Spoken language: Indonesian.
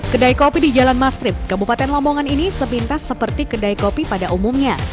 kedai kopi di jalan mastrip kabupaten lamongan ini sepintas seperti kedai kopi pada umumnya